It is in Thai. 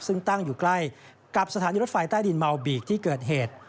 ซึ่งตั้งอยู่ใกล้กับสถานีรถไฟใต้ดินเมาบีกที่เกิดเหตุ